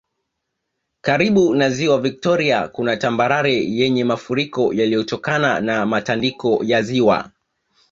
Karibu na Ziwa Viktoria kuna tambarare yenye mafuriko yaliyotokana na matandiko ya ziwa